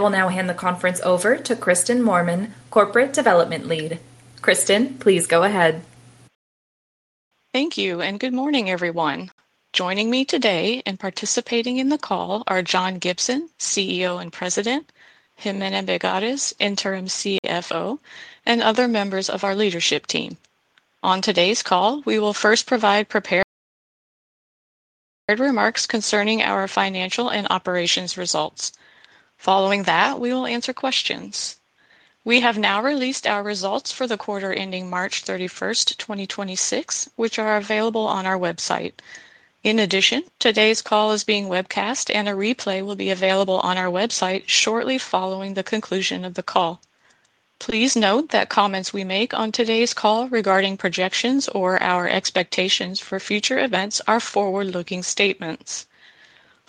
I will now hand the conference over to Kristin Moorman, Corporate Development Lead. Kristin, please go ahead. Thank you. Good morning, everyone. Joining me today and participating in the call are John Gibson, CEO and President, Jimena Begaries, Interim CFO, and other members of our leadership team. On today's call, we will first provide prepared remarks concerning our financial and operations results. Following that, we will answer questions. We have now released our results for the quarter ending March 31st, 2026, which are available on our website. In addition, today's call is being webcast, and a replay will be available on our website shortly following the conclusion of the call. Please note that comments we make on today's call regarding projections or our expectations for future events are forward-looking statements.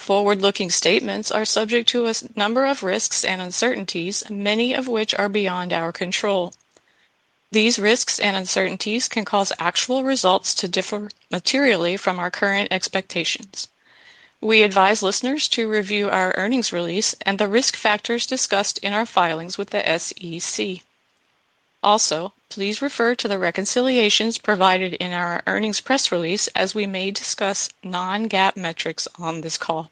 Forward-looking statements are subject to a number of risks and uncertainties, many of which are beyond our control. These risks and uncertainties can cause actual results to differ materially from our current expectations. We advise listeners to review our earnings release and the risk factors discussed in our filings with the SEC. Please refer to the reconciliations provided in our earnings press release, as we may discuss non-GAAP metrics on this call.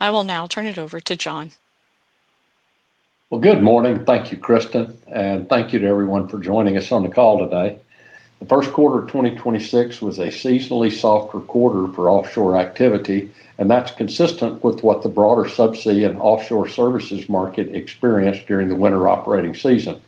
I will now turn it over to John. Well, good morning. Thank you, Kristin. Thank you to everyone for joining us on the call today. The first quarter of 2026 was a seasonally softer quarter for offshore activity, and that's consistent with what the broader subsea and offshore services market experienced during the winter operating season.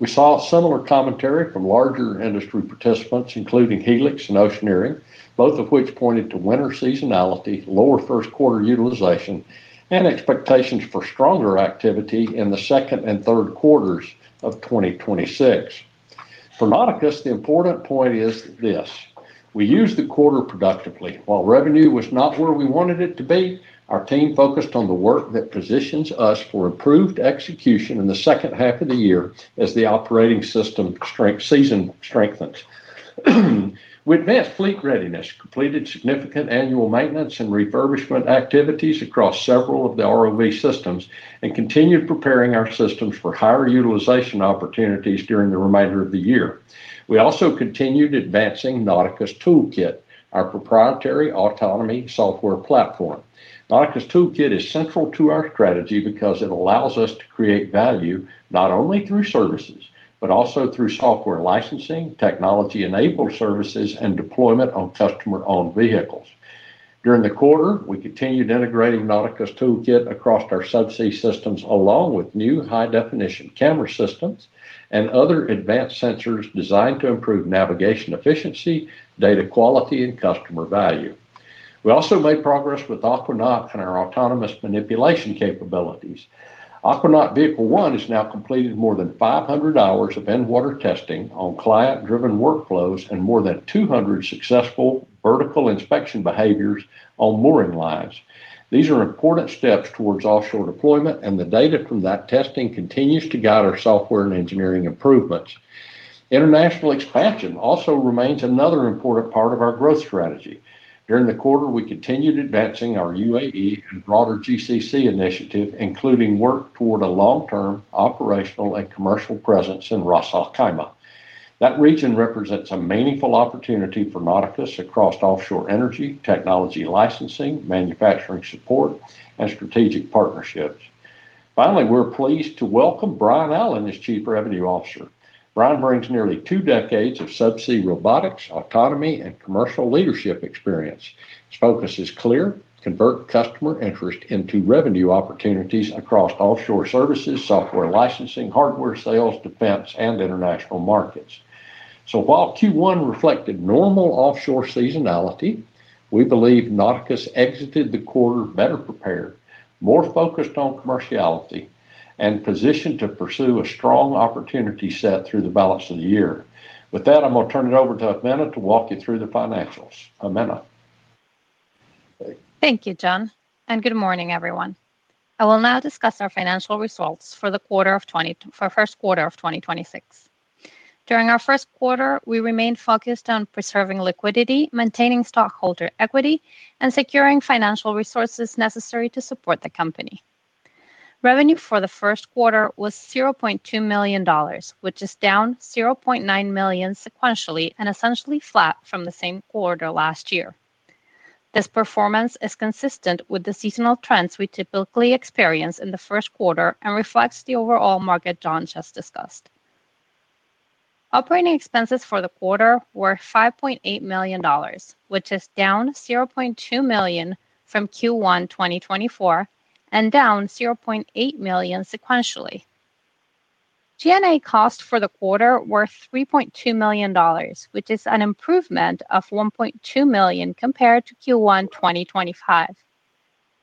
We saw similar commentary from larger industry participants, including Helix and Oceaneering, both of which pointed to winter seasonality, lower first quarter utilization, and expectations for stronger activity in the second and third quarters of 2026. For Nauticus, the important point is this: we used the quarter productively. While revenue was not where we wanted it to be, our team focused on the work that positions us for improved execution in the second half of the year as the operating season strengthens. We advanced fleet readiness, completed significant annual maintenance and refurbishment activities across several of the ROV systems, and continued preparing our systems for higher utilization opportunities during the remainder of the year. We also continued advancing Nauticus ToolKITT, our proprietary autonomy software platform. Nauticus ToolKITT is central to our strategy because it allows us to create value not only through services, but also through software licensing, technology-enabled services, and deployment on customer-owned vehicles. During the quarter, we continued integrating Nauticus ToolKITT across our subsea systems, along with new high-definition camera systems and other advanced sensors designed to improve navigation efficiency, data quality, and customer value. We also made progress with Aquanaut and our autonomous manipulation capabilities. Aquanaut Vehicle One has now completed more than 500 hours of in-water testing on client-driven workflows and more than 200 successful vertical inspection behaviors on mooring lines. These are important steps towards offshore deployment, and the data from that testing continues to guide our software and engineering improvements. International expansion also remains another important part of our growth strategy. During the quarter, we continued advancing our UAE and broader GCC initiative, including work toward a long-term operational and commercial presence in Ras Al Khaimah. That region represents a meaningful opportunity for Nauticus across offshore energy, technology licensing, manufacturing support, and strategic partnerships. Finally, we're pleased to welcome Brian Allen as Chief Revenue Officer. Brian brings nearly two decades of subsea robotics, autonomy, and commercial leadership experience. His focus is clear: convert customer interest into revenue opportunities across offshore services, software licensing, hardware sales, defense, and international markets. While Q1 reflected normal offshore seasonality, we believe Nauticus exited the quarter better prepared, more focused on commerciality, and positioned to pursue a strong opportunity set through the balance of the year. With that, I'm gonna turn it over to Jimena to walk you through the financials. Jimena? Thank you, John, and good morning, everyone. I will now discuss our financial results for the first quarter of 2026. During our first quarter, we remained focused on preserving liquidity, maintaining stockholder equity, and securing financial resources necessary to support the company. Revenue for the first quarter was $0.2 million, which is down $0.9 million sequentially and essentially flat from the same quarter last year. This performance is consistent with the seasonal trends we typically experience in the first quarter and reflects the overall market John just discussed. Operating expenses for the quarter were $5.8 million, which is down $0.2 million from Q1 2024 and down $0.8 million sequentially. G&A costs for the quarter were $3.2 million, which is an improvement of $1.2 million compared to Q1 2025.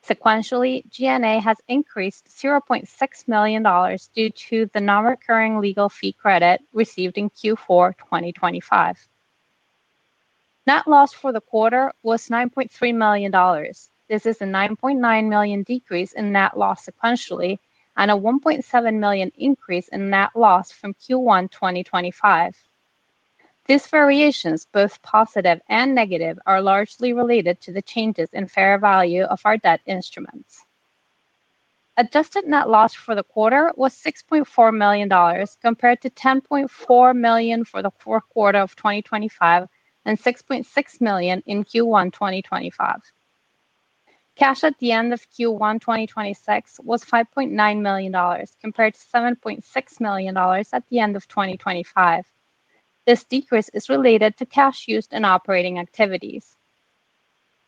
Sequentially, G&A has increased $0.6 million due to the non-recurring legal fee credit received in Q4 2025. Net loss for the quarter was $9.3 million. This is a $9.9 million decrease in net loss sequentially and a $1.7 million increase in net loss from Q1 2025. These variations, both positive and negative, are largely related to the changes in fair value of our debt instruments. Adjusted net loss for the quarter was $6.4 million compared to $10.4 million for the fourth quarter of 2025, and $6.6 million in Q1 2025. Cash at the end of Q1 2026 was $5.9 million compared to $7.6 million at the end of 2025. This decrease is related to cash used in operating activities.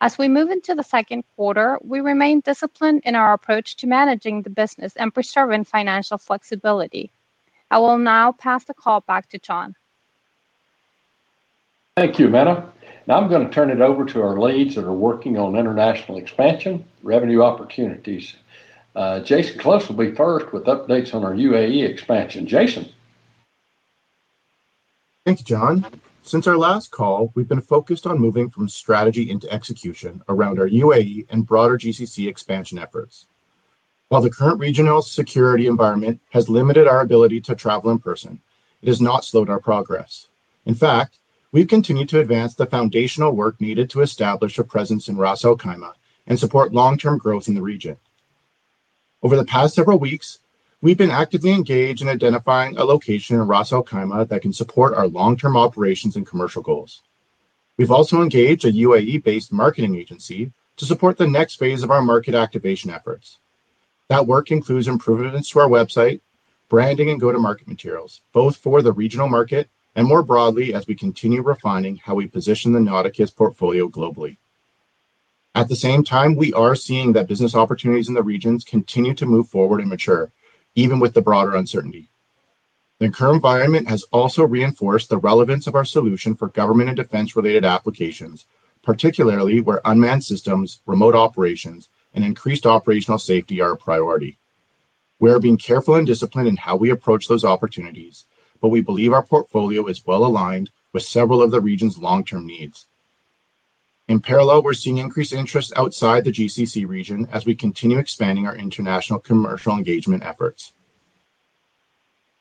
As we move into the second quarter, we remain disciplined in our approach to managing the business and preserving financial flexibility. I will now pass the call back to John. Thank you, Jimena. Now I'm going to turn it over to our leads that are working on international expansion, revenue opportunities. Jason Close will be first with updates on our UAE expansion. Jason? Thanks, John. Since our last call, we've been focused on moving from strategy into execution around our UAE and broader GCC expansion efforts. While the current regional security environment has limited our ability to travel in person, it has not slowed our progress. In fact, we've continued to advance the foundational work needed to establish a presence in Ras Al Khaimah and support long-term growth in the region. Over the past several weeks, we've been actively engaged in identifying a location in Ras Al Khaimah that can support our long-term operations and commercial goals. We've also engaged a UAE-based marketing agency to support the next phase of our market activation efforts. That work includes improvements to our website, branding, and go-to-market materials, both for the regional market and more broadly as we continue refining how we position the Nauticus portfolio globally. At the same time, we are seeing that business opportunities in the regions continue to move forward and mature, even with the broader uncertainty. The current environment has also reinforced the relevance of our solution for government and defense-related applications, particularly where unmanned systems, remote operations, and increased operational safety are a priority. We are being careful and disciplined in how we approach those opportunities, but we believe our portfolio is well-aligned with several of the region's long-term needs. In parallel, we're seeing increased interest outside the GCC region as we continue expanding our international commercial engagement efforts.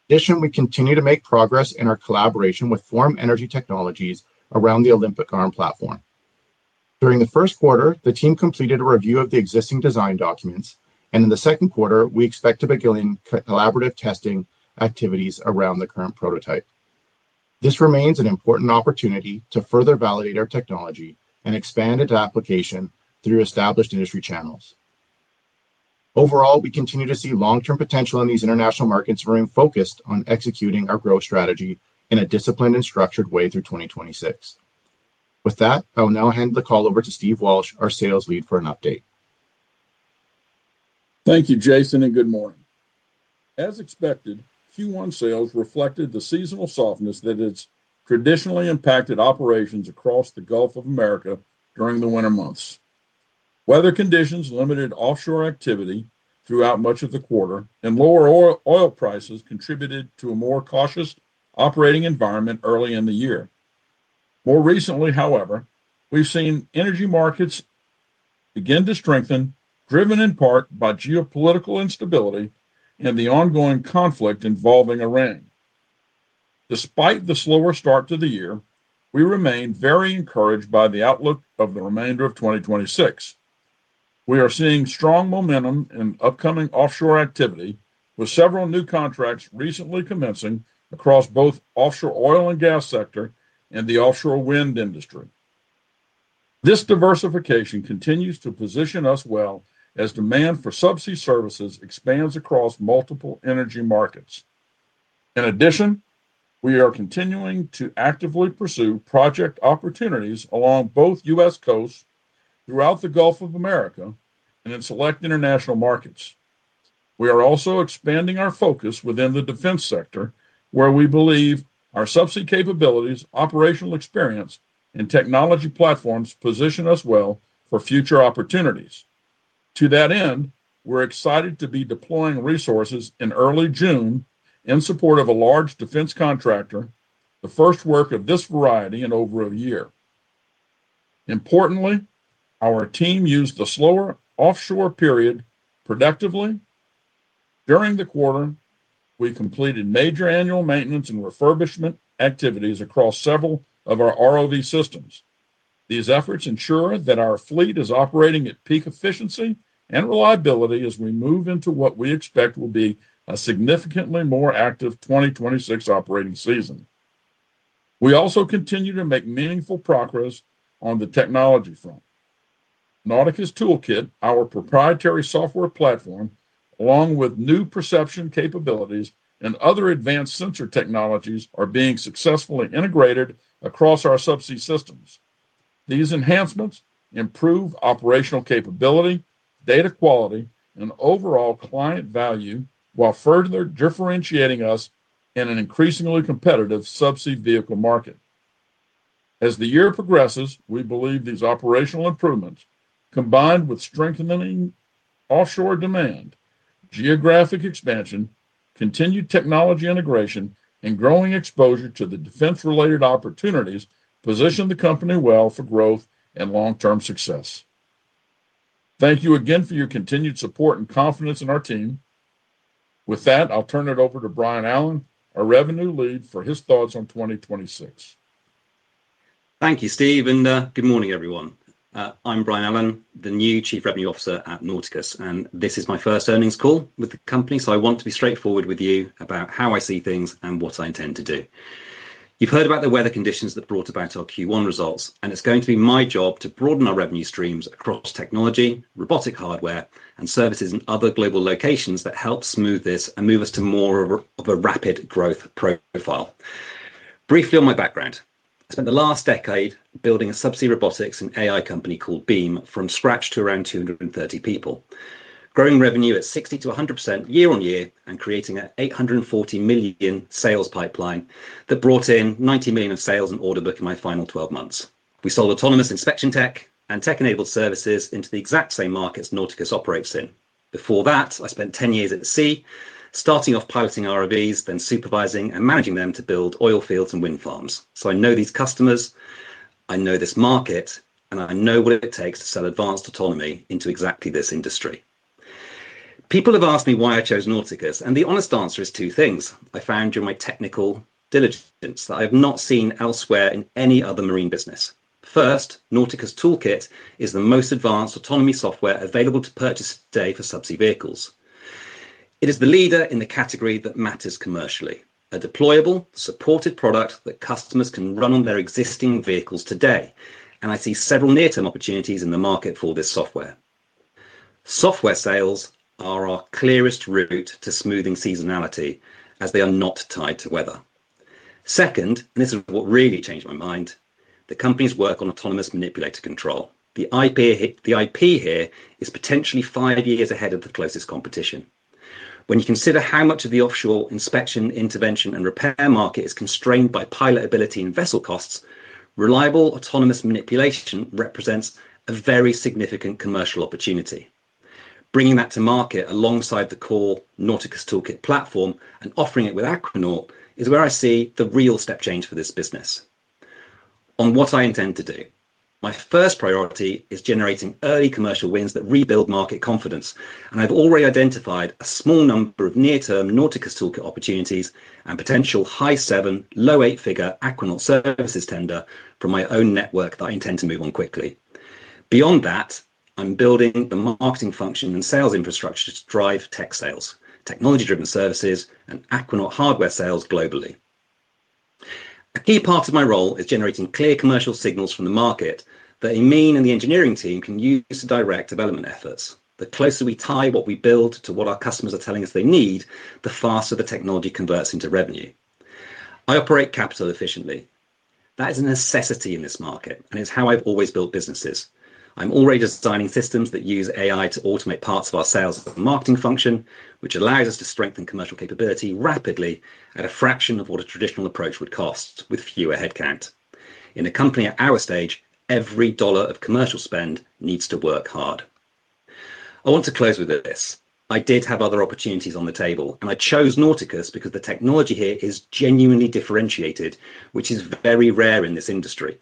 In addition, we continue to make progress in our collaboration with Forum Energy Technologies around the Olympic Arm platform. During the first quarter, the team completed a review of the existing design documents, and in the second quarter, we expect to begin collaborative testing activities around the current prototype. This remains an important opportunity to further validate our technology and expand its application through established industry channels. Overall, we continue to see long-term potential in these international markets. Remain focused on executing our growth strategy in a disciplined and structured way through 2026. With that, I will now hand the call over to Steve Walsh, our sales lead, for an update. Thank you, Jason. Good morning. As expected, Q1 sales reflected the seasonal softness that has traditionally impacted operations across the Gulf of Mexico during the winter months. Weather conditions limited offshore activity throughout much of the quarter. Lower oil prices contributed to a more cautious operating environment early in the year. More recently, however, we've seen energy markets begin to strengthen, driven in part by geopolitical instability and the ongoing conflict involving Iran. Despite the slower start to the year, we remain very encouraged by the outlook of the remainder of 2026. We are seeing strong momentum in upcoming offshore activity, with several new contracts recently commencing across both offshore oil and gas sector and the offshore wind industry. This diversification continues to position us well as demand for subsea services expands across multiple energy markets. In addition, we are continuing to actively pursue project opportunities along both U.S. coasts, throughout the Gulf of America, and in select international markets. We are also expanding our focus within the defense sector, where we believe our subsea capabilities, operational experience, and technology platforms position us well for future opportunities. To that end, we're excited to be deploying resources in early June in support of a large defense contractor, the first work of this variety in over a year. Importantly, our team used the slower offshore period productively. During the quarter, we completed major annual maintenance and refurbishment activities across several of our ROV systems. These efforts ensure that our fleet is operating at peak efficiency and reliability as we move into what we expect will be a significantly more active 2026 operating season. We also continue to make meaningful progress on the technology front. Nauticus ToolKITT, our proprietary software platform, along with new perception capabilities and other advanced sensor technologies, are being successfully integrated across our subsea systems. These enhancements improve operational capability, data quality, and overall client value while further differentiating us in an increasingly competitive subsea vehicle market. As the year progresses, we believe these operational improvements, combined with strengthening offshore demand, geographic expansion, continued technology integration, and growing exposure to the defense-related opportunities, position the company well for growth and long-term success. Thank you again for your continued support and confidence in our team. With that, I'll turn it over to Brian Allen, our revenue lead, for his thoughts on 2026. Thank you, Steve, good morning, everyone. I'm Brian Allen, the new Chief Revenue Officer at Nauticus, this is my first earnings call with the company, I want to be straightforward with you about how I see things and what I intend to do. You've heard about the weather conditions that brought about our Q1 results, it's going to be my job to broaden our revenue streams across technology, robotic hardware, and services in other global locations that help smooth this and move us to more of a rapid growth profile. Briefly on my background, I spent the last decade building a subsea robotics and AI company called Beam from scratch to around 230 people, growing revenue at 60%-100% year-on-year and creating an $840 million sales pipeline that brought in $90 million of sales and order book in my final 12 months. We sold autonomous inspection tech and tech-enabled services into the exact same markets Nauticus operates in. Before that, I spent 10 years at the sea, starting off piloting ROVs, then supervising and managing them to build oil fields and wind farms. I know these customers, I know this market, and I know what it takes to sell advanced autonomy into exactly this industry. People have asked me why I chose Nauticus, and the honest answer is two things I found during my technical diligence that I have not seen elsewhere in any other marine business. First, Nauticus ToolKITT is the most advanced autonomy software available to purchase today for subsea vehicles. It is the leader in the category that matters commercially, a deployable, supported product that customers can run on their existing vehicles today, and I see several near-term opportunities in the market for this software. Software sales are our clearest route to smoothing seasonality, as they are not tied to weather. Second, and this is what really changed my mind, the company's work on autonomous manipulator control. The IP here is potentially five years ahead of the closest competition. When you consider how much of the offshore inspection, intervention, and repair market is constrained by pilot ability and vessel costs, reliable autonomous manipulation represents a very significant commercial opportunity. Bringing that to market alongside the core Nauticus ToolKITT platform and offering it with Aquanaut is where I see the real step change for this business. On what I intend to do, my first priority is generating early commercial wins that rebuild market confidence, and I've already identified a small number of near-term Nauticus ToolKITT opportunities and potential high $7, low $8-figure Aquanaut services tender from my own network that I intend to move on quickly. Beyond that, I'm building the marketing function and sales infrastructure to drive tech sales, technology-driven services, and Aquanaut hardware sales globally. A key part of my role is generating clear commercial signals from the market that Amin and the engineering team can use to direct development efforts. The closer we tie what we build to what our customers are telling us they need, the faster the technology converts into revenue. I operate capital efficiently. That is a necessity in this market, and it's how I've always built businesses. I'm already designing systems that use AI to automate parts of our sales and marketing function, which allows us to strengthen commercial capability rapidly at a fraction of what a traditional approach would cost with fewer headcount. In a company at our stage, every dollar of commercial spend needs to work hard. I want to close with this. I did have other opportunities on the table. I chose Nauticus because the technology here is genuinely differentiated, which is very rare in this industry.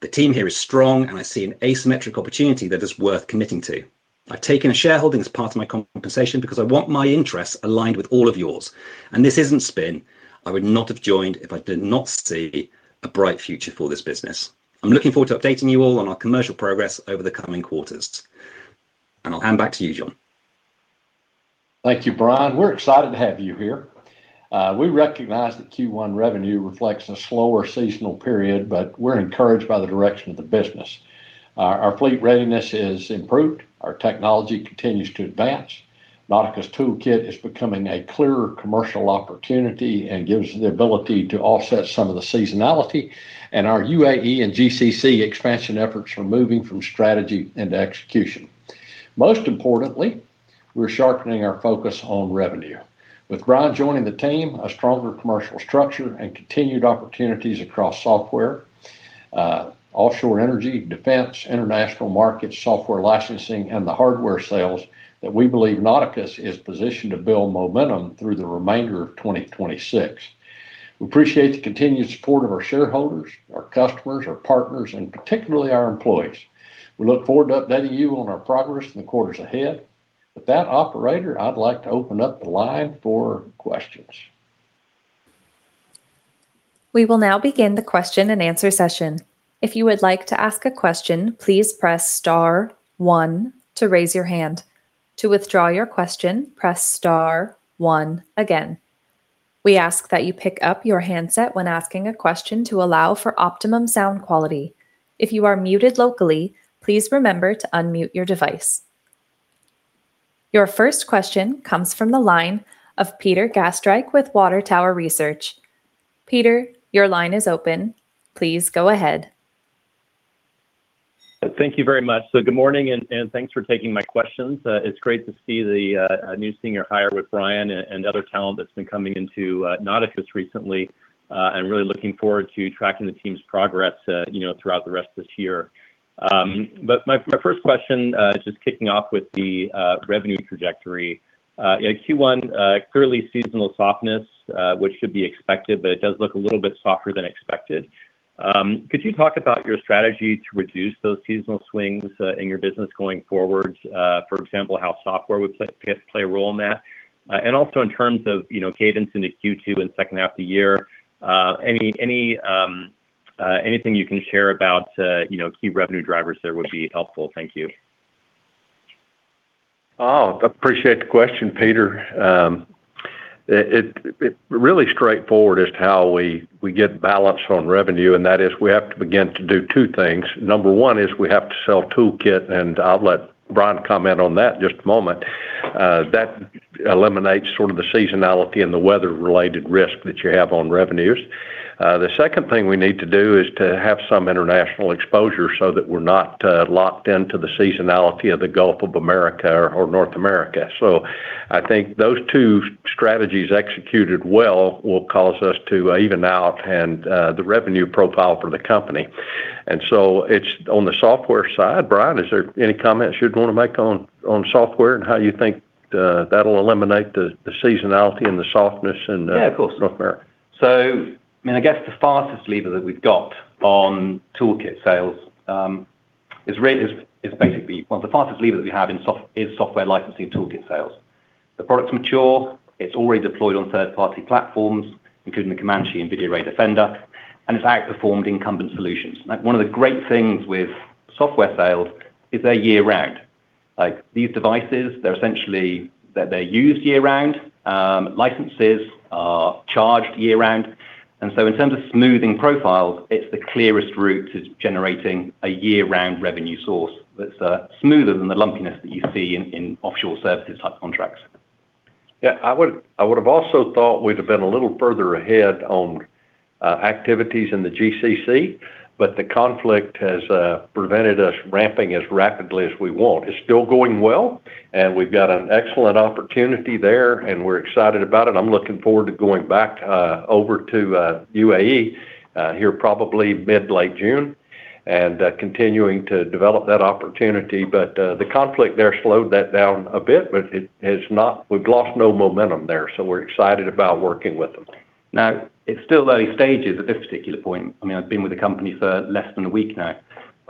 The team here is strong. I see an asymmetric opportunity that is worth committing to. I've taken a shareholding as part of my compensation because I want my interests aligned with all of yours. This isn't spin. I would not have joined if I did not see a bright future for this business. I'm looking forward to updating you all on our commercial progress over the coming quarters. I'll hand back to you, John. Thank you, Brian. We're excited to have you here. We recognize that Q1 revenue reflects a slower seasonal period, we're encouraged by the direction of the business. Our fleet readiness has improved. Our technology continues to advance. Nauticus ToolKITT is becoming a clearer commercial opportunity and gives the ability to offset some of the seasonality. Our UAE and GCC expansion efforts are moving from strategy into execution. Most importantly, we're sharpening our focus on revenue. With Brian joining the team, a stronger commercial structure, and continued opportunities across software, offshore energy, defense, international markets, software licensing, and the hardware sales, that we believe Nauticus is positioned to build momentum through the remainder of 2026. We appreciate the continued support of our shareholders, our customers, our partners, and particularly our employees. We look forward to updating you on our progress in the quarters ahead. With that, Operator, I'd like to open up the line for questions. We will now begin the question-and-answer session. If you would like to ask a question, please press star one to raise your hand. To withdraw your question, press star one again. We ask that you pick up your handset when asking a question to allow for optimum sound quality. If you are muted locally, please remember to unmute your device. Your first question comes from the line of Peter Gastreich with Water Tower Research. Peter, your line is open. Please go ahead. Thank you very much. Good morning, and thanks for taking my questions. It's great to see the new senior hire with Brian and other talent that's been coming into Nauticus recently, and really looking forward to tracking the team's progress, you know, throughout the rest of this year. My first question, just kicking off with the revenue trajectory. You know, Q1, clearly seasonal softness, which should be expected, but it does look a little bit softer than expected. Could you talk about your strategy to reduce those seasonal swings in your business going forward? For example, how software would play a role in that? Also in terms of, you know, cadence into Q2 and second half the year, any, anything you can share about, you know, key revenue drivers there would be helpful. Thank you. Appreciate the question, Peter. It really straightforward as to how we get balance on revenue, and that is we have to begin to do two things. Number one is we have to sell ToolKITT, and I'll let Brian comment on that in just a moment. That eliminates sort of the seasonality and the weather-related risk that you have on revenues. The second thing we need to do is to have some international exposure so that we're not locked into the seasonality of the Gulf of Mexico or North America. I think those two strategies executed well will cause us to even out and the revenue profile for the company. It's on the software side, Brian, is there any comments you'd wanna make on software and how you think that'll eliminate the seasonality and the softness? Yeah, of course. North America? I mean, I guess the fastest lever that we've got on ToolKITT sales is software licensing ToolKITT sales. The product's mature. It's already deployed on third-party platforms, including the Comanche and VideoRay Defender, and it's outperformed incumbent solutions. One of the great things with software sales is they're year-round. Like, these devices, they're essentially, they're used year-round. Licenses are charged year-round. In terms of smoothing profiles, it's the clearest route to generating a year-round revenue source that's smoother than the lumpiness that you see in offshore services type contracts. Yeah. I would, I would have also thought we'd have been a little further ahead on activities in the GCC, the conflict has prevented us ramping as rapidly as we want. It's still going well, we've got an excellent opportunity there, and we're excited about it. I'm looking forward to going back over to UAE here probably mid-late June and continuing to develop that opportunity. The conflict there slowed that down a bit, we've lost no momentum there, we're excited about working with them. It's still early stages at this particular point. I mean, I've been with the company for less than a week now,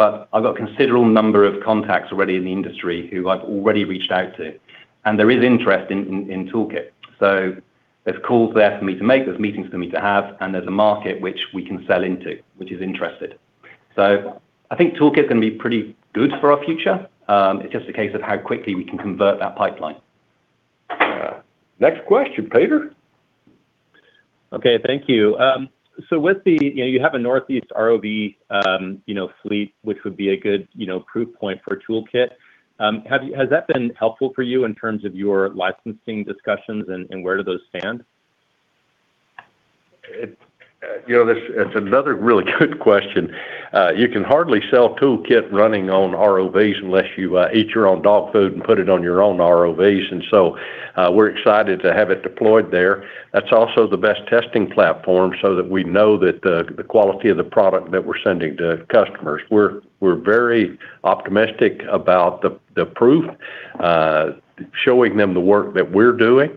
I've got considerable number of contacts already in the industry who I've already reached out to, there is interest in ToolKITT. There's calls there for me to make, there's meetings for me to have, and there's a market which we can sell into, which is interested. I think ToolKITT's gonna be pretty good for our future. It's just a case of how quickly we can convert that pipeline. Yeah. Next question, Peter. Okay. Thank you. With the You know, you have a Northeast ROV, you know, fleet, which would be a good, you know, proof point for ToolKITT. Has that been helpful for you in terms of your licensing discussions, and where do those stand? It, you know, it's another really good question. You can hardly sell ToolKITT running on ROVs unless you eat your own dog food and put it on your own ROVs. We're excited to have it deployed there. That's also the best testing platform so that we know the quality of the product that we're sending to customers. We're very optimistic about the proof showing them the work that we're doing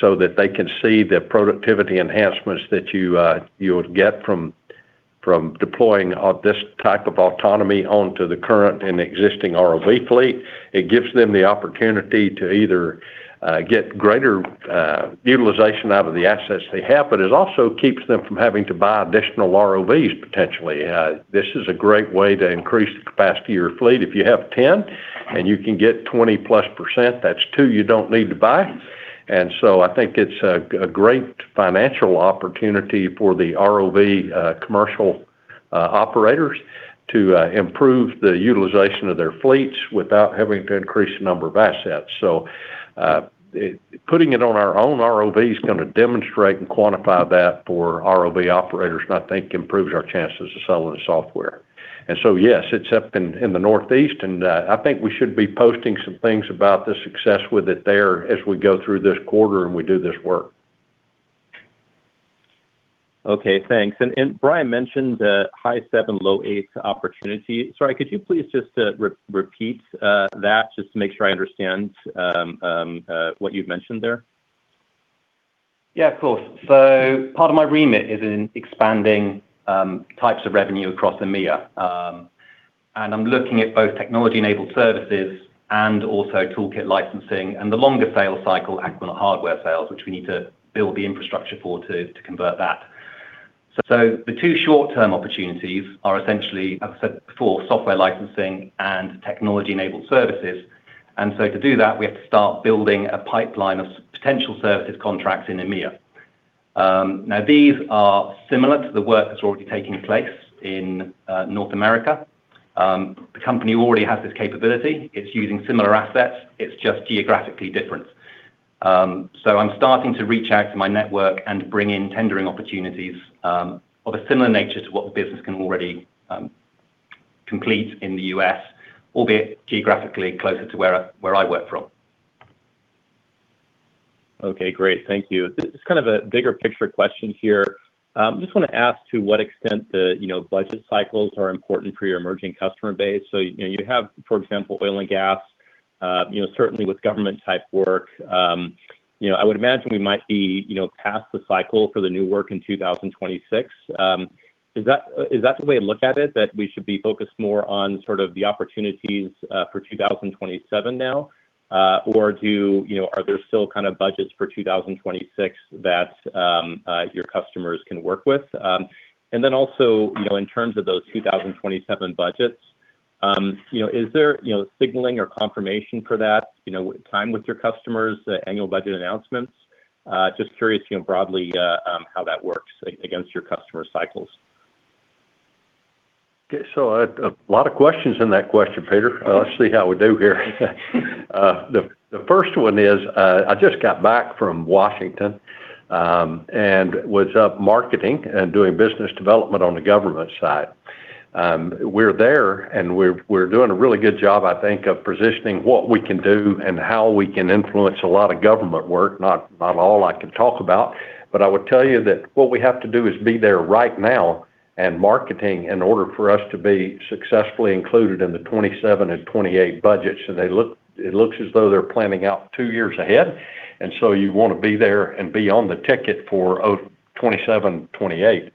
so that they can see the productivity enhancements that you'll get from deploying this type of autonomy onto the current and existing ROV fleet. It gives them the opportunity to either get greater utilization out of the assets they have, but it also keeps them from having to buy additional ROVs, potentially. This is a great way to increase the capacity of your fleet. If you have 10 and you can get 20+%, that's two you don't need to buy. I think it's a great financial opportunity for the ROV commercial operators to improve the utilization of their fleets without having to increase the number of assets. Putting it on our own ROV is gonna demonstrate and quantify that for ROV operators, and I think improves our chances of selling the software. Yes, it's up in the Northeast, and I think we should be posting some things about the success with it there as we go through this quarter and we do this work. Okay. Thanks. Brian mentioned the high 7, low 8 opportunity. Sorry, could you please just repeat that just to make sure I understand what you've mentioned there? Yeah, of course. Part of my remit is in expanding types of revenue across EMEA, and I'm looking at both technology-enabled services and also ToolKITT licensing and the longer sales cycle Aquanaut hardware sales, which we need to build the infrastructure for to convert that. The two short-term opportunities are essentially, as I said before, software licensing and technology-enabled services. To do that, we have to start building a pipeline of potential services contracts in EMEA. Now these are similar to the work that's already taking place in North America. The company already has this capability. It's using similar assets. It's just geographically different. I'm starting to reach out to my network and bring in tendering opportunities of a similar nature to what the business can already complete in the U.S., albeit geographically closer to where I work from. Okay. Great. Thank you. This is kind of a bigger picture question here. Just wanna ask to what extent the, you know, budget cycles are important for your emerging customer base. You know, you have, for example, oil and gas. You know, certainly with government type work, you know, I would imagine we might be, you know, past the cycle for the new work in 2026. Is that the way to look at it, that we should be focused more on sort of the opportunities for 2027 now? Do, you know, are there still kind of budgets for 2026 that your customers can work with? Also, you know, in terms of those 2027 budgets, you know, is there, you know, signaling or confirmation for that? You know, time with your customers, annual budget announcements? Just curious, you know, broadly, how that works against your customer cycles. Okay. A lot of questions in that question, Peter. Sure. Let's see how we do here. The first one is, I just got back from Washington and was up marketing and doing business development on the government side. We're there, and we're doing a really good job, I think, of positioning what we can do and how we can influence a lot of government work. Not all I can talk about, but I would tell you that what we have to do is be there right now and marketing in order for us to be successfully included in the 2027 and 2028 budgets. It looks as though they're planning out two years ahead, you wanna be there and be on the ticket for 2027 and 2028.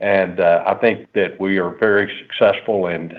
I think that we are very successful in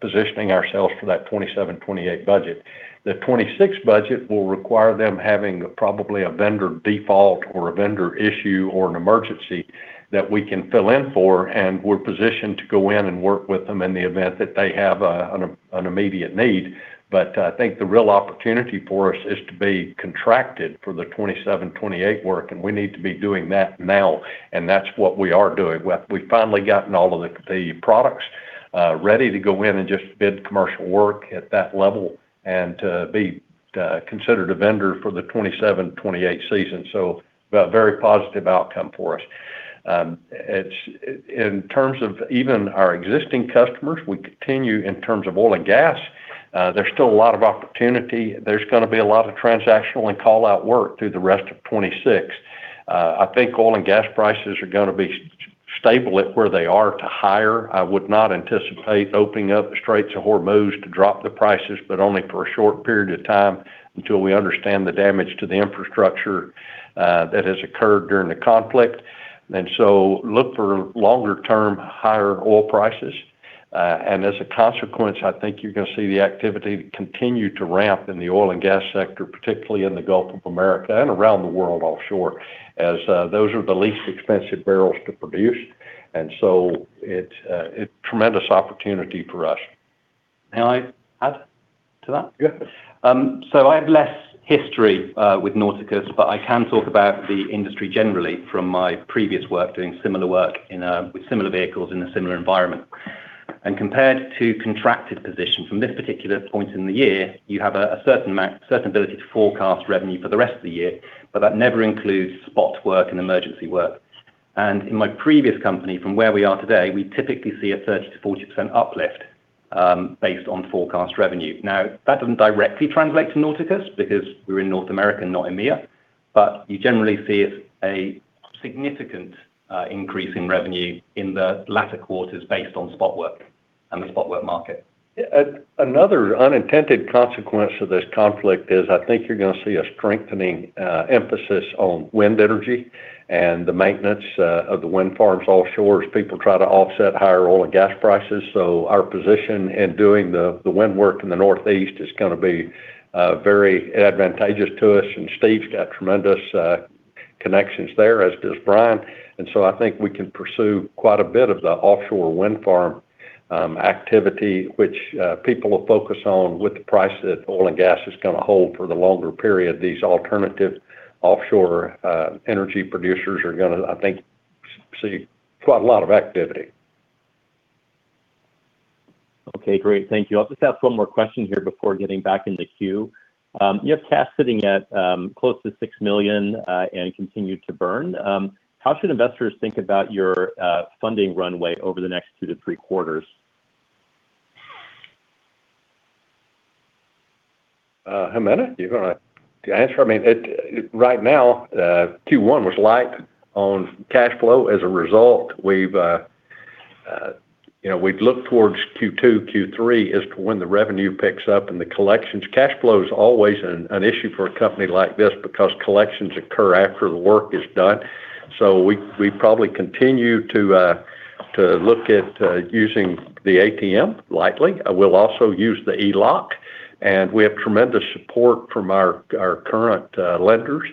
positioning ourselves for that 2027, 2028 budget. The 2026 budget will require them having probably a vendor default or a vendor issue or an emergency that we can fill in for, and we're positioned to go in and work with them in the event that they have an immediate need. I think the real opportunity for us is to be contracted for the 2027, 2028 work, and we need to be doing that now, and that's what we are doing. We've finally gotten all of the products ready to go in and just bid commercial work at that level and to be considered a vendor for the 2027, 2028 season. Very positive outcome for us. In terms of even our existing customers, we continue in terms of oil and gas. There's still a lot of opportunity. There's gonna be a lot of transactional and call-out work through the rest of 2026. I think oil and gas prices are gonna be stable at where they are to higher. I would not anticipate opening up the Straits of Hormuz to drop the prices, but only for a short period of time until we understand the damage to the infrastructure, that has occurred during the conflict. Look for longer term, higher oil prices. As a consequence, I think you're gonna see the activity continue to ramp in the oil and gas sector, particularly in the Gulf of America and around the world offshore, as, those are the least expensive barrels to produce. It tremendous opportunity for us. May I add to that? Yeah. I have less history with Nauticus, but I can talk about the industry generally from my previous work doing similar work with similar vehicles in a similar environment. Compared to contracted position from this particular point in the year, you have a certain ability to forecast revenue for the rest of the year, but that never includes spot work and emergency work. In my previous company from where we are today, we typically see a 30%-40% uplift based on forecast revenue. Now, that doesn't directly translate to Nauticus because we're in North America, not EMEA, but you generally see a significant increase in revenue in the latter quarters based on spot work and the spot work market. Yeah. Another unintended consequence of this conflict is I think you're gonna see a strengthening emphasis on wind energy and the maintenance of the wind farms offshore as people try to offset higher oil and gas prices. Our position in doing the wind work in the Northeast is gonna be very advantageous to us, and Steve's got tremendous connections there, as does Brian. I think we can pursue quite a bit of the offshore wind farm activity, which people will focus on with the price that oil and gas is gonna hold for the longer period. These alternative offshore energy producers are gonna, I think, see quite a lot of activity. Okay. Great. Thank you. I'll just ask one more question here before getting back in the queue. You have cash sitting at close to $6 million and continued to burn. How should investors think about your funding runway over the next 2-3 quarters? Hemant, do you wanna answer? I mean, it right now, Q1 was light on cash flow as a result. We've, you know, we'd look towards Q2, Q3 as to when the revenue picks up and the collections. Cash flow is always an issue for a company like this because collections occur after the work is done. We probably continue to look at using the ATM lightly. We'll also use the ELOC, and we have tremendous support from our current lenders.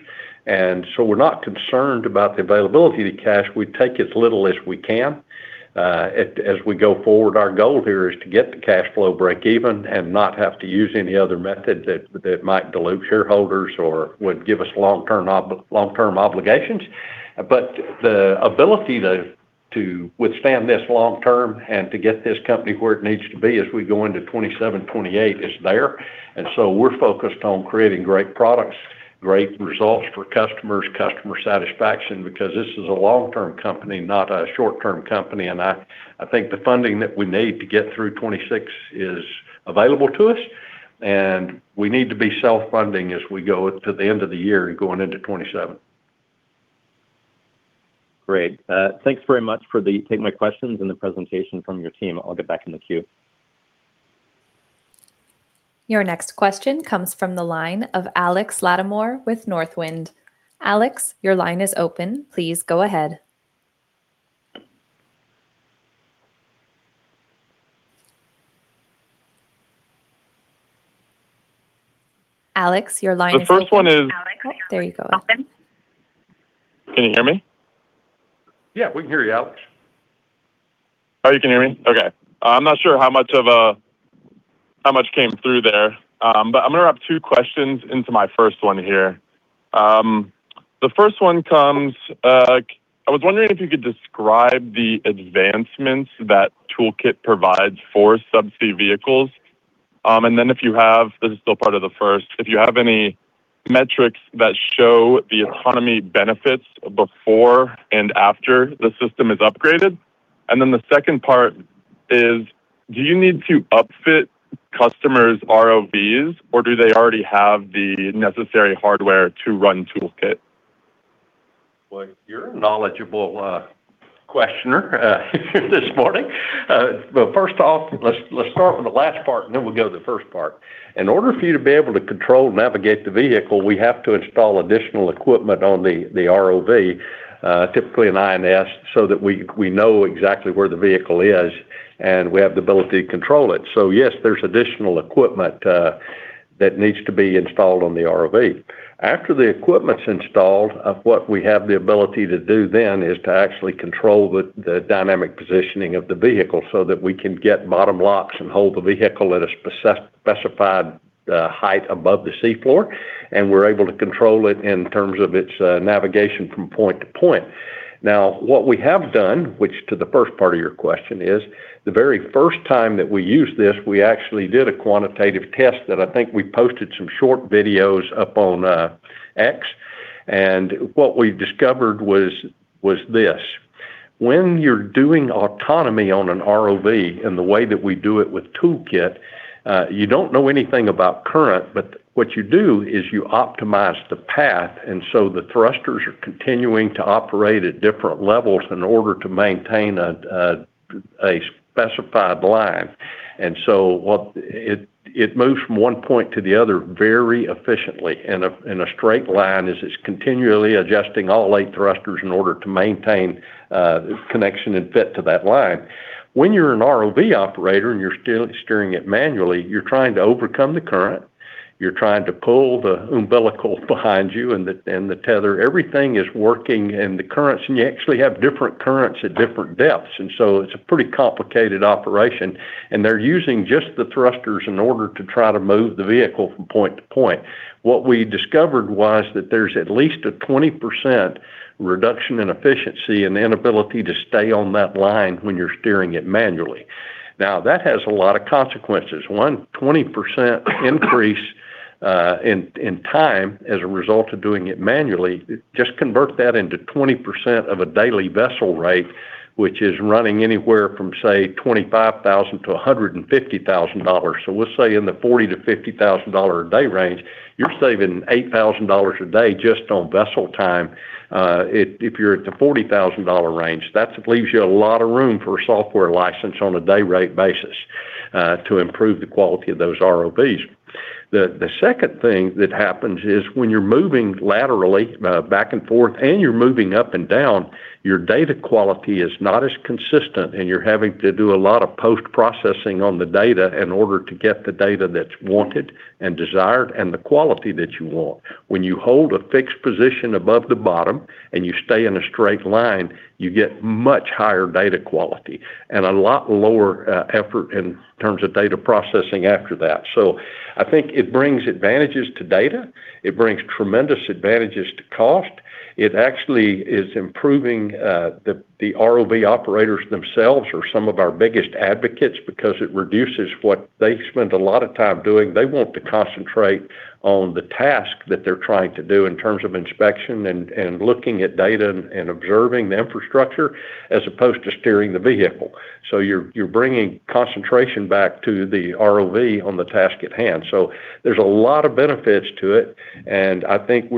We're not concerned about the availability of the cash. We take as little as we can as we go forward. Our goal here is to get the cash flow break even and not have to use any other method that might dilute shareholders or would give us long-term obligations. The ability to withstand this long term and to get this company where it needs to be as we go into 2027, 2028 is there. We're focused on creating great products, great results for customers, customer satisfaction, because this is a long-term company, not a short-term company. I think the funding that we need to get through 2026 is available to us, and we need to be self-funding as we go to the end of the year going into 2027. Great. Thanks very much for taking my questions and the presentation from your team. I'll get back in the queue. Your next question comes from the line of Alex Latimore with Northland. Alex, your line is open. Please go ahead. Alex, your line is open. The first one is- Alex, your line is open. Oh, there you go. Can you hear me? Yeah, we can hear you, Alex. Oh, you can hear me? Okay. I'm not sure how much came through there, but I'm gonna wrap two questions into my first one here. The first one comes, I was wondering if you could describe the advancements that ToolKITT provides for subsea vehicles. If you have, this is still part of the first, if you have any metrics that show the autonomy benefits before and after the system is upgraded. The second part is, do you need to upfit customers' ROVs, or do they already have the necessary hardware to run ToolKITT? You're a knowledgeable questioner this morning. First off, let's start with the last part, and then we'll go to the first part. In order for you to be able to control and navigate the vehicle, we have to install additional equipment on the ROV, typically an INS, so that we know exactly where the vehicle is, and we have the ability to control it. Yes, there's additional equipment that needs to be installed on the ROV. After the equipment's installed, what we have the ability to do then is to actually control the dynamic positioning of the vehicle so that we can get bottom locks and hold the vehicle at a specified height above the sea floor, and we're able to control it in terms of its navigation from point to point. Now, what we have done, which to the first part of your question is, the very first time that we used this, we actually did a quantitative test that I think we posted some short videos up on X. What we've discovered was this: when you're doing autonomy on an ROV in the way that we do it with ToolKITT, you don't know anything about current, but what you do is you optimize the path, so the thrusters are continuing to operate at different levels in order to maintain a specified line. What it moves from one point to the other very efficiently in a straight line as it's continually adjusting all eight thrusters in order to maintain connection and fit to that line. When you're an ROV operator and you're still steering it manually, you're trying to overcome the current, you're trying to pull the umbilical behind you and the, and the tether. Everything is working, and the currents, and you actually have different currents at different depths, and so it's a pretty complicated operation. They're using just the thrusters in order to try to move the vehicle from point to point. What we discovered was that there's at least a 20% reduction in efficiency and inability to stay on that line when you're steering it manually. Now, that has a lot of consequences. One, 20% increase in time as a result of doing it manually, just convert that into 20% of a daily vessel rate, which is running anywhere from, say, $25,000-$150,000. Let's say in the $40,000-$50,000 a day range, you're saving $8,000 a day just on vessel time. If you're at the $40,000 range, that leaves you a lot of room for a software license on a day rate basis to improve the quality of those ROVs. The second thing that happens is when you're moving laterally back and forth, and you're moving up and down, your data quality is not as consistent, and you're having to do a lot of post-processing on the data in order to get the data that's wanted and desired and the quality that you want. When you hold a fixed position above the bottom and you stay in a straight line, you get much higher data quality and a lot lower effort in terms of data processing after that. I think it brings advantages to data. It brings tremendous advantages to cost. It actually is improving, the ROV operators themselves are some of our biggest advocates because it reduces what they spend a lot of time doing. They want to concentrate on the task that they're trying to do in terms of inspection and looking at data and observing the infrastructure as opposed to steering the vehicle. You're bringing concentration back to the ROV on the task at hand. There's a lot of benefits to it, and I think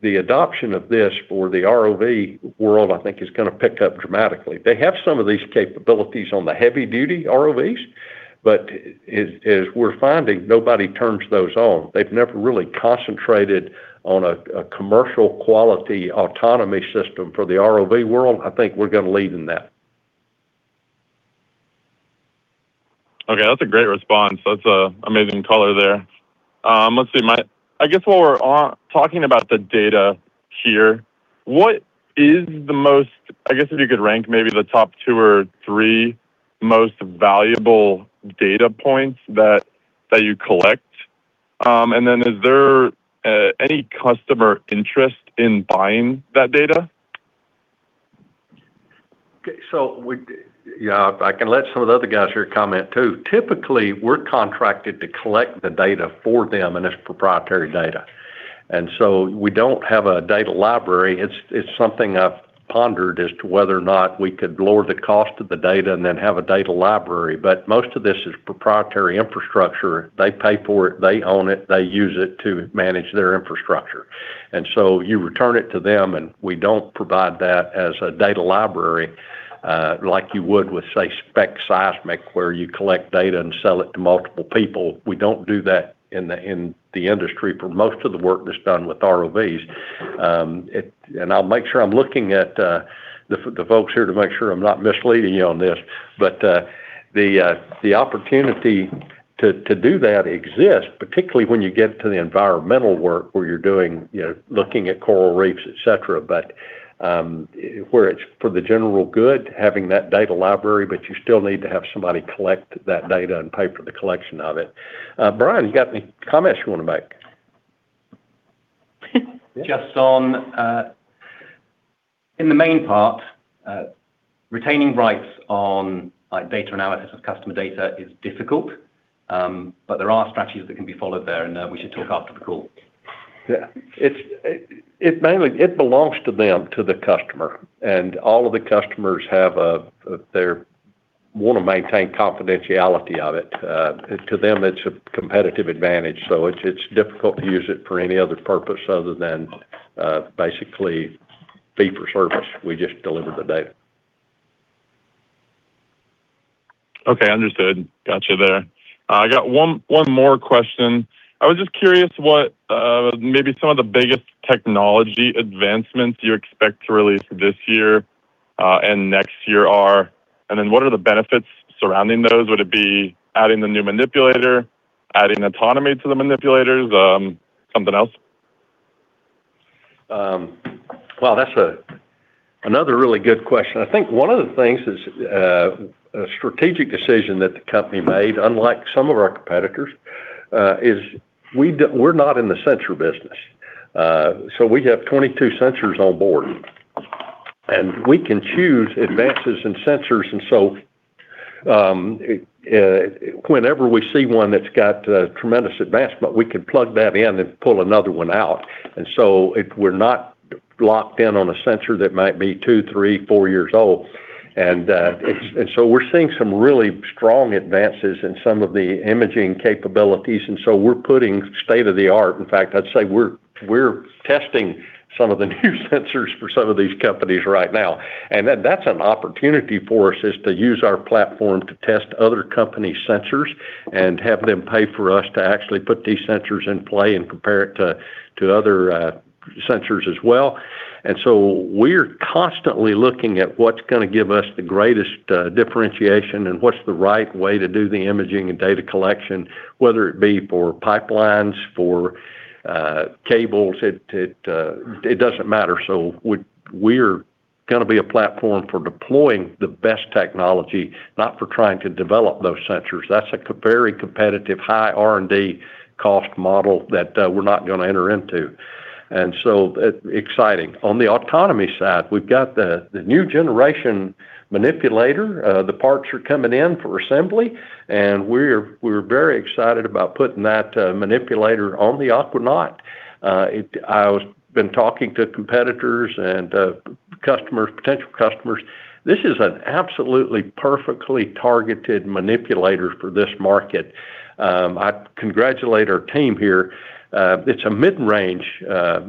the adoption of this for the ROV world, I think, is gonna pick up dramatically. They have some of these capabilities on the heavy duty ROVs, but as we're finding, nobody turns those on. They've never really concentrated on a commercial quality autonomy system for the ROV world. I think we're gonna lead in that. Okay. That's a great response. That's a amazing color there. Let's see. I guess while we're talking about the data here, I guess if you could rank maybe the top two or three most valuable data points that you collect? Is there any customer interest in buying that data? Okay. Yeah, I can let some of the other guys here comment too. Typically, we're contracted to collect the data for them, and it's proprietary data. We don't have a data library. It's something I've pondered as to whether or not we could lower the cost of the data and then have a data library. Most of this is proprietary infrastructure. They pay for it, they own it, they use it to manage their infrastructure. You return it to them, and we don't provide that as a data library, like you would with, say, speculative seismic, where you collect data and sell it to multiple people. We don't do that in the industry for most of the work that's done with ROVs. I'll make sure I'm looking at the folks here to make sure I'm not misleading you on this, but the opportunity to do that exists, particularly when you get to the environmental work where you're doing, you know, looking at coral reefs, et cetera. But where it's for the general good, having that data library, but you still need to have somebody collect that data and pay for the collection of it. Brian, you got any comments you wanna make? Just on, in the main part, retaining rights on, like, data analysis of customer data is difficult. There are strategies that can be followed there, and we should talk after the call. Yeah. It belongs to them, to the customer, and all of the customers have a, they wanna maintain confidentiality of it. To them, it's a competitive advantage, so it's difficult to use it for any other purpose other than, basically fee for service. We just deliver the data. Okay, understood. Got you there. I got one more question. I was just curious what, maybe some of the biggest technology advancements you expect to release this year and next year are. What are the benefits surrounding those? Would it be adding the new manipulator, adding autonomy to the manipulators, something else? Well, that's another really good question. I think one of the things is a strategic decision that the company made, unlike some of our competitors, is we're not in the sensor business. So we have 22 sensors on board, and we can choose advances in sensors. Whenever we see one that's got tremendous advancement, we can plug that in and pull another one out. So we're not locked in on a sensor that might be two, three, four years old, and so we're seeing some really strong advances in some of the imaging capabilities, and so we're putting state-of-the-art. In fact, I'd say we're testing some of the new sensors for some of these companies right now. That's an opportunity for us, is to use our platform to test other companies' sensors and have them pay for us to actually put these sensors in play and compare it to other sensors as well. We're constantly looking at what's gonna give us the greatest differentiation and what's the right way to do the imaging and data collection, whether it be for pipelines, for cables. It doesn't matter. We're gonna be a platform for deploying the best technology, not for trying to develop those sensors. That's a very competitive, high R&D cost model that we're not gonna enter into. Exciting. On the autonomy side, we've got the new generation manipulator. The parts are coming in for assembly, and we're very excited about putting that manipulator on the Aquanaut. I've been talking to competitors and customers, potential customers. This is an absolutely perfectly targeted manipulator for this market. I congratulate our team here. It's a mid-range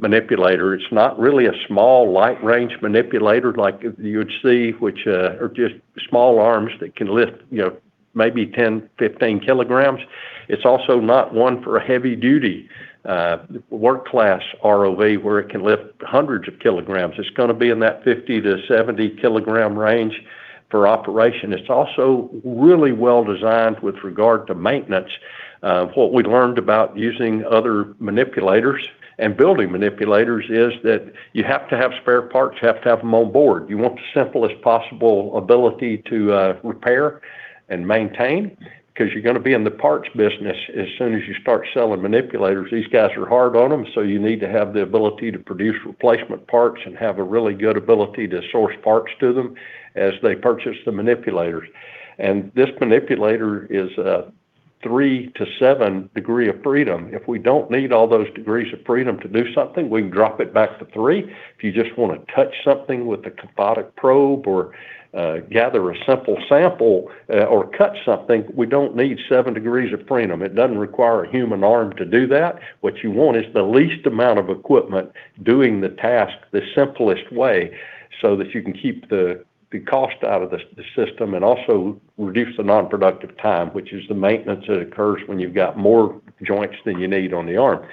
manipulator. It's not really a small, light-range manipulator like you would see, which are just small arms that can lift, you know, maybe 10, 15 kg. It's also not one for a heavy-duty, work class ROV where it can lift hundreds of kilograms. It's going to be in that 50-70 kg range for operation. It's also really well designed with regard to maintenance. What we learned about using other manipulators and building manipulators is that you have to have spare parts, you have to have them on board. You want the simplest possible ability to repair and maintain, 'cause you're going to be in the parts business as soon as you start selling manipulators. These guys are hard on them, you need to have the ability to produce replacement parts and have a really good ability to source parts to them as they purchase the manipulators. This manipulator is a 3-7 degree of freedom. If we don't need all those degrees of freedom to do something, we can drop it back to three. If you just want to touch something with a cathodic probe or gather a simple sample or cut something, we don't need 7 degrees of freedom. It doesn't require a human arm to do that. What you want is the least amount of equipment doing the task the simplest way, so that you can keep the cost out of the system and also reduce the non-productive time, which is the maintenance that occurs when you've got more joints than you need on the arm.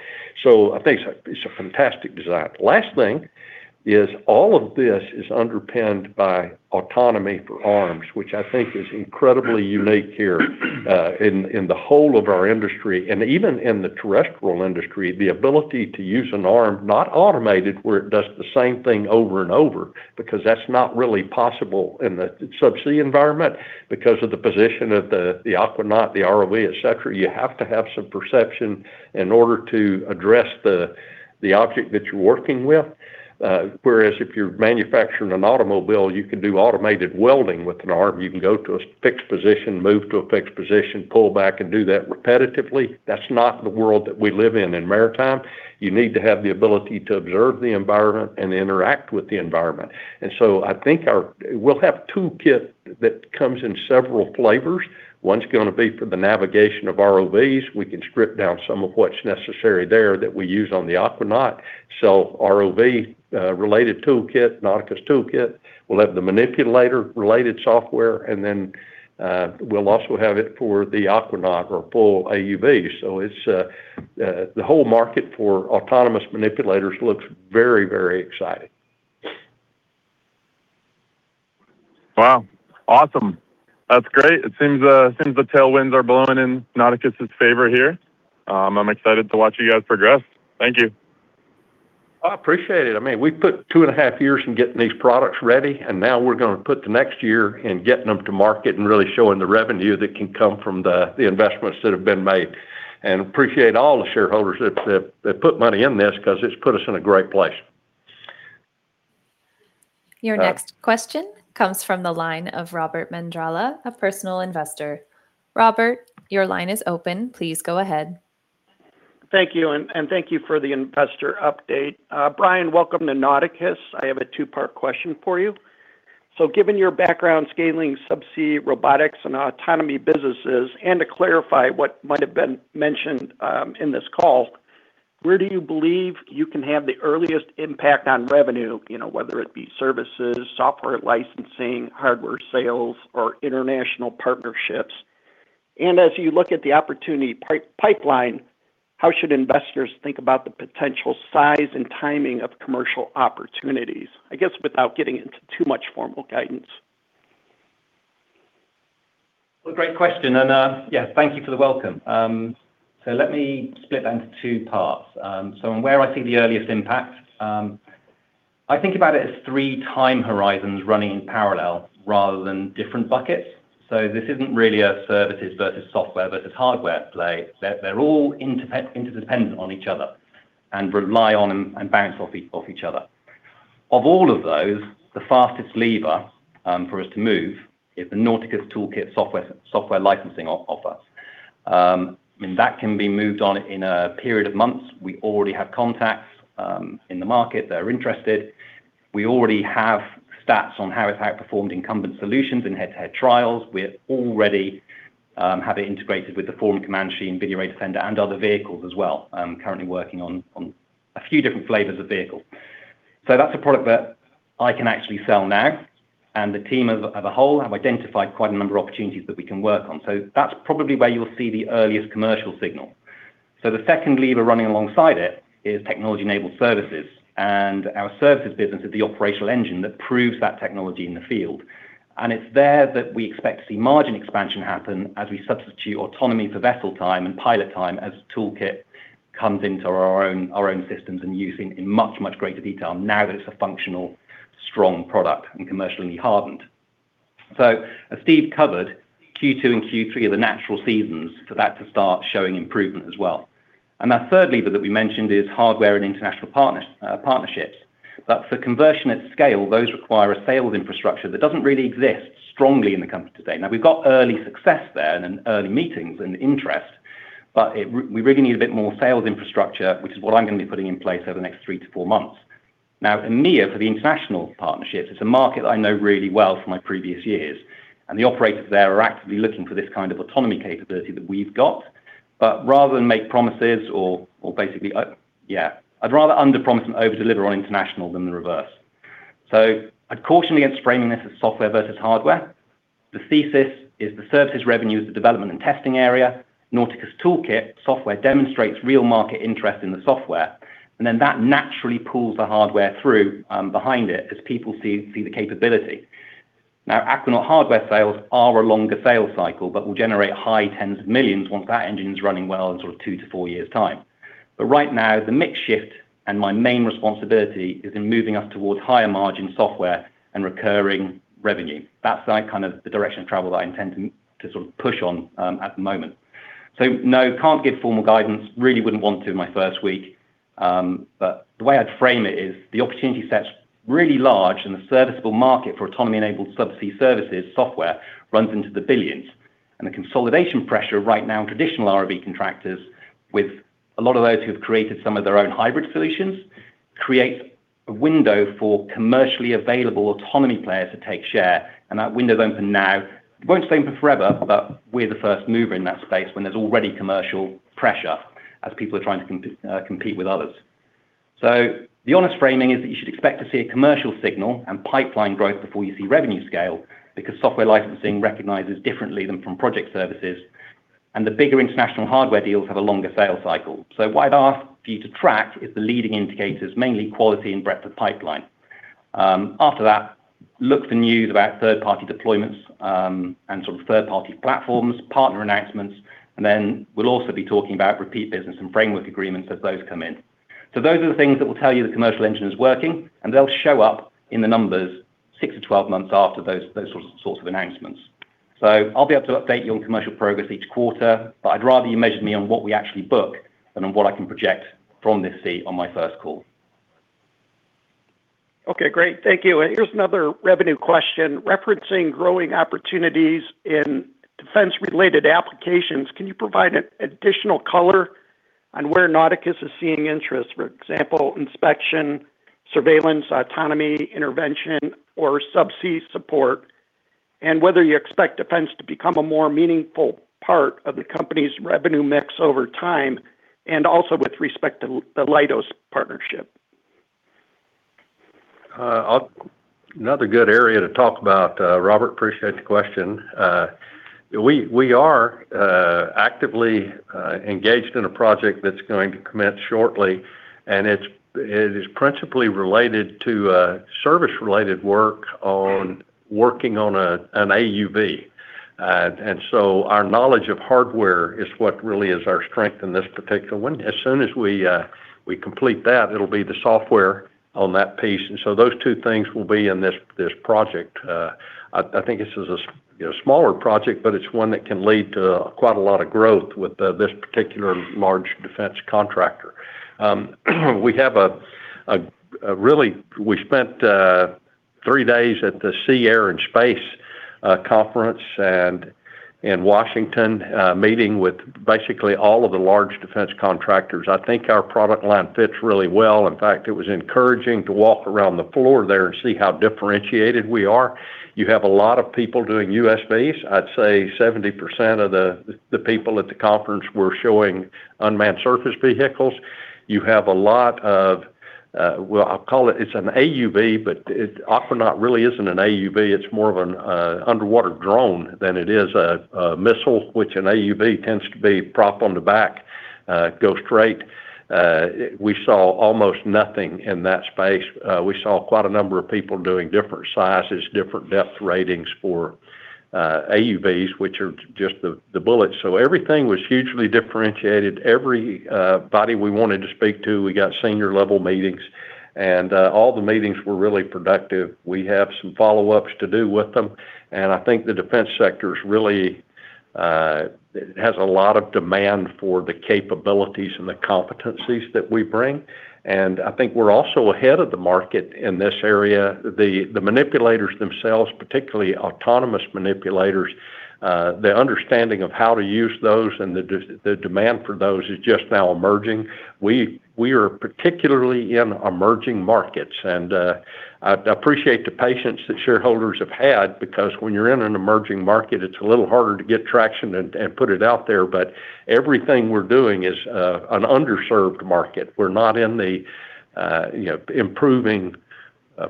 I think it's a fantastic design. Last thing is all of this is underpinned by autonomy for arms, which I think is incredibly unique here in the whole of our industry. Even in the terrestrial industry, the ability to use an arm not automated, where it does the same thing over and over, because that's not really possible in the subsea environment because of the position of the Aquanaut, the ROV, et cetera. You have to have some perception in order to address the object that you're working with. Whereas if you're manufacturing an automobile, you can do automated welding with an arm. You can go to a fixed position, move to a fixed position, pull back, and do that repetitively. That's not the world that we live in in maritime. You need to have the ability to observe the environment and interact with the environment. I think we'll have ToolKITT that comes in several flavors. One's gonna be for the navigation of ROVs. We can strip down some of what's necessary there that we use on the Aquanaut. ROV related ToolKITT, Nauticus ToolKITT. We'll have the manipulator related software, we'll also have it for the Aquanaut or full AUV. It's the whole market for autonomous manipulators looks very, very exciting. Awesome. That's great. It seems, it seems the tailwinds are blowing in Nauticus's favor here. I'm excited to watch you guys progress. Thank you. I appreciate it. I mean, we put 2.5 years in getting these products ready. Now we're gonna put the next year in getting them to market and really showing the revenue that can come from the investments that have been made. Appreciate all the shareholders that put money in this 'cause it's put us in a great place. Your next question comes from the line of Robert Mandrala, a personal investor. Robert, your line is open. Please go ahead. Thank you, and thank you for the investor update. Brian, welcome to Nauticus. I have a two-part question for you. Given your background scaling subsea robotics and autonomy businesses, and to clarify what might have been mentioned, in this call, where do you believe you can have the earliest impact on revenue, you know, whether it be services, software licensing, hardware sales, or international partnerships? As you look at the opportunity pipeline, how should investors think about the potential size and timing of commercial opportunities? I guess, without getting into too much formal guidance. Well, great question. Yeah, thank you for the welcome. Let me split that into two parts. On where I see the earliest impact, I think about it as three time horizons running in parallel rather than different buckets. This isn't really a services versus software versus hardware play. They're all interdependent on each other and rely on and bounce off each other. Of all of those, the fastest lever for us to move is the Nauticus ToolKITT software licensing offer. I mean, that can be moved on in a period of months. We already have contacts in the market that are interested. We already have stats on how it's outperformed incumbent solutions in head-to-head trials. We already have it integrated with the Forum Comanche and VideoRay Defender and other vehicles as well. Currently working on a few different flavors of vehicles. That's a product that I can actually sell now, and the team as a whole have identified quite a number of opportunities that we can work on. That's probably where you'll see the earliest commercial signal. The second lever running alongside it is technology-enabled services, and our services business is the operational engine that proves that technology in the field. It's there that we expect to see margin expansion happen as we substitute autonomy for vessel time and pilot time as ToolKITT comes into our own systems and used in much greater detail now that it's a functional, strong product and commercially hardened. As Steve covered, Q2 and Q3 are the natural seasons for that to start showing improvement as well. Our third lever that we mentioned is hardware and international partnerships. For conversion at scale, those require a sales infrastructure that doesn't really exist strongly in the company today. We've got early success there and early meetings and interest, we really need a bit more sales infrastructure, which is what I'm gonna be putting in place over the next three-four months. EMEA for the international partnerships, it's a market that I know really well from my previous years, and the operators there are actively looking for this kind of autonomy capability that we've got. Rather than make promises or basically, I'd rather underpromise and overdeliver on international than the reverse. I'd caution against framing this as software versus hardware. The thesis is the services revenue is the development and testing area. Nauticus ToolKITT software demonstrates real market interest in the software, and then that naturally pulls the hardware through behind it as people see the capability. Aquanaut hardware sales are a longer sales cycle but will generate high tens of millions once that engine's running well in sort of two-four years' time. Right now, the mix shift and my main responsibility is in moving us towards higher margin software and recurring revenue. That's like kind of the direction of travel that I intend to sort of push on at the moment. No, can't give formal guidance. Really wouldn't want to in my first week. The way I'd frame it is the opportunity set's really large and the serviceable market for autonomy-enabled subsea services software runs into the billions. The consolidation pressure right now in traditional ROV contractors with a lot of those who have created some of their own hybrid solutions creates a window for commercially available autonomy players to take share, and that window's open now. It won't stay open forever, but we're the first mover in that space when there's already commercial pressure as people are trying to compete with others. The honest framing is that you should expect to see a commercial signal and pipeline growth before you see revenue scale because software licensing recognizes differently than from project services, and the bigger international hardware deals have a longer sales cycle. What I'd ask for you to track is the leading indicators, mainly quality and breadth of pipeline. After that, look for news about third-party deployments, and sort of third-party platforms, partner announcements, and then we'll also be talking about repeat business and framework agreements as those come in. Those are the things that will tell you the commercial engine is working, and they'll show up in the numbers 6-12 months after those sort of announcements. I'll be able to update you on commercial progress each quarter, but I'd rather you measure me on what we actually book than on what I can project from this seat on my first call. Okay, great. Thank you. Here's another revenue question. Referencing growing opportunities in defense-related applications, can you provide an additional color on where Nauticus is seeing interest? For example, inspection, surveillance, autonomy, intervention, or subsea support, and whether you expect defense to become a more meaningful part of the company's revenue mix over time, and also with respect to the Leidos partnership. Another good area to talk about, Robert. Appreciate the question. We are actively engaged in a project that's going to commence shortly, and it is principally related to service-related work on working on an AUV. Our knowledge of hardware is what really is our strength in this particular one. As soon as we complete that, it'll be the software on that piece. Those two things will be in this project. I think this is a, you know, smaller project, but it's one that can lead to quite a lot of growth with this particular large defense contractor. We spent three days at the Sea Air and Space Conference in Washington, meeting with basically all of the large defense contractors. I think our product line fits really well. In fact, it was encouraging to walk around the floor there and see how differentiated we are. You have a lot of people doing USVs. I'd say 70% of the people at the conference were showing unmanned surface vehicles. You have a lot of, well, I'll call it's an AUV, but Aquanaut really isn't an AUV, it's more of an underwater drone than it is a missile, which an AUV tends to be prop on the back, go straight. We saw almost nothing in that space. We saw quite a number of people doing different sizes, different depth ratings for AUVs, which are just the bullets. Everything was hugely differentiated. Every body we wanted to speak to, we got senior-level meetings and all the meetings were really productive. We have some follow-ups to do with them. I think the defense sector's really, it has a lot of demand for the capabilities and the competencies that we bring. I think we're also ahead of the market in this area. The manipulators themselves, particularly autonomous manipulators, their understanding of how to use those and the demand for those is just now emerging. We are particularly in emerging markets. I appreciate the patience that shareholders have had because when you're in an emerging market, it's a little harder to get traction and put it out there. Everything we're doing is an underserved market. We're not in the, you know, improving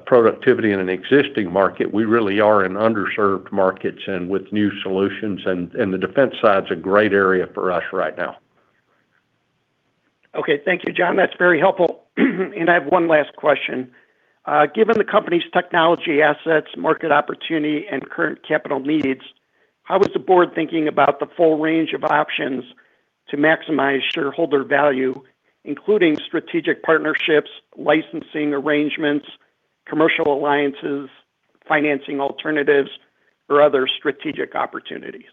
productivity in an existing market. We really are in underserved markets and with new solutions and the defense side's a great area for us right now. Okay. Thank you, John. That's very helpful. I have one last question. Given the company's technology assets, market opportunity, and current capital needs, how is the board thinking about the full range of options to maximize shareholder value, including strategic partnerships, licensing arrangements, commercial alliances, financing alternatives, or other strategic opportunities?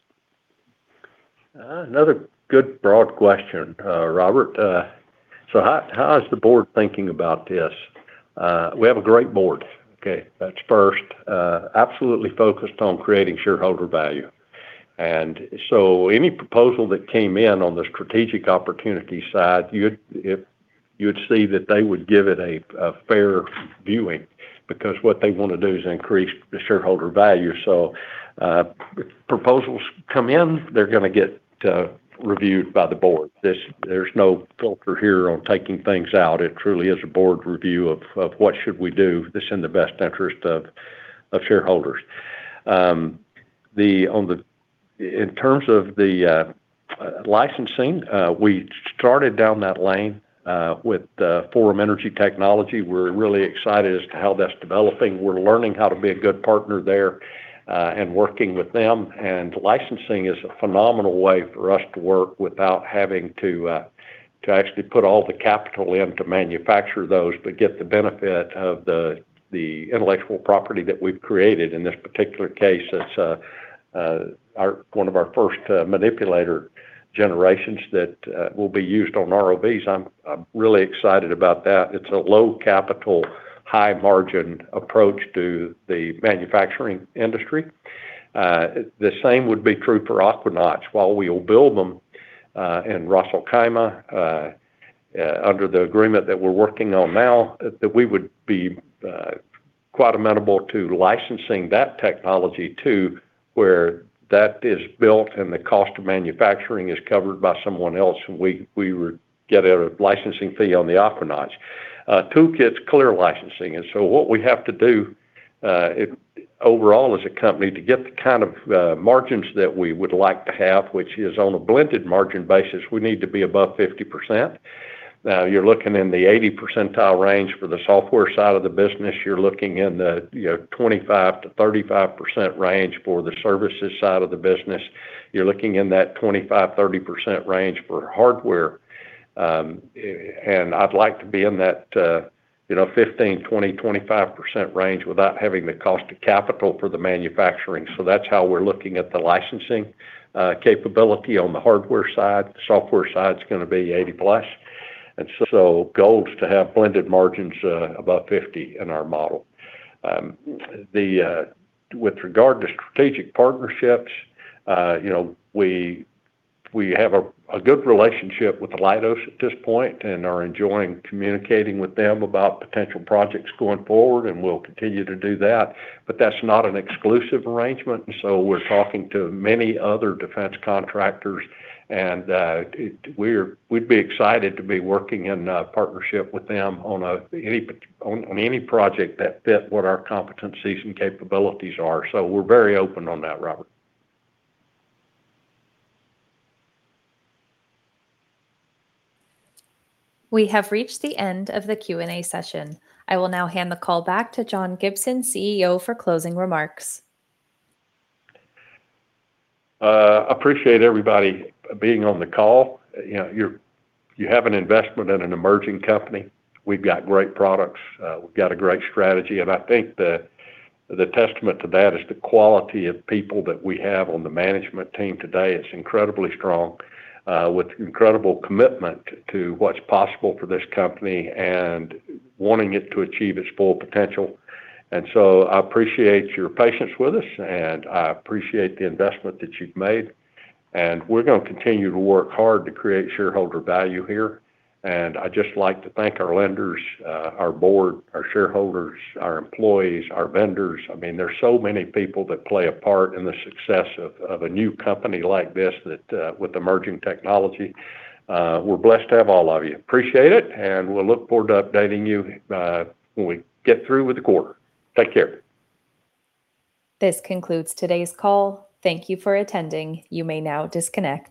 Another good broad question, Robert. How is the board thinking about this? We have a great board, okay? That's first. Absolutely focused on creating shareholder value. Any proposal that came in on the strategic opportunity side, you would see that they would give it a fair viewing because what they wanna do is increase the shareholder value. Proposals come in, they're gonna get reviewed by the board. There's no filter here on taking things out. It truly is a board review of what should we do that's in the best interest of shareholders. In terms of the licensing, we started down that lane with Forum Energy Technologies. We're really excited as to how that's developing. We're learning how to be a good partner there, working with them. Licensing is a phenomenal way for us to work without having to actually put all the capital in to manufacture those, but get the benefit of the intellectual property that we've created. In this particular case, it's one of our first manipulator generations that will be used on ROVs. I'm really excited about that. It's a low capital, high margin approach to the manufacturing industry. The same would be true for Aquanauts. While we will build them in Ras Al Khaimah, under the agreement that we're working on now, that we would be quite amenable to licensing that technology to where that is built and the cost of manufacturing is covered by someone else, and we would get a licensing fee on the Aquanauts. ToolKITT clear licensing. What we have to do overall as a company to get the kind of margins that we would like to have, which is on a blended margin basis, we need to be above 50%. Now, you're looking in the 80% range for the software side of the business. You're looking in the, you know, 25%-35% range for the services side of the business. You're looking in that 25%-30% range for hardware. I'd like to be in that 15%, 20%, 25% range without having the cost of capital for the manufacturing. That's how we're looking at the licensing capability on the hardware side. Software side's gonna be 80+. Goal is to have blended margins above 50 in our model. With regard to strategic partnerships, we have a good relationship with Leidos at this point and are enjoying communicating with them about potential projects going forward, and we'll continue to do that. That's not an exclusive arrangement. We're talking to many other defense contractors and we'd be excited to be working in a partnership with them on any project that fit what our competencies and capabilities are. We're very open on that, Robert. We have reached the end of the Q&A session. I will now hand the call back to John Gibson, CEO, for closing remarks. Appreciate everybody being on the call. You know, you have an investment in an emerging company. We've got great products. We've got a great strategy. I think the testament to that is the quality of people that we have on the management team today. It's incredibly strong, with incredible commitment to what's possible for this company and wanting it to achieve its full potential. I appreciate your patience with us, and I appreciate the investment that you've made. We're gonna continue to work hard to create shareholder value here. I'd just like to thank our lenders, our board, our shareholders, our employees, our vendors. I mean, there's so many people that play a part in the success of a new company like this that with emerging technology. We're blessed to have all of you. Appreciate it. We'll look forward to updating you, when we get through with the quarter. Take care. This concludes today's call. Thank you for attending. You may now disconnect.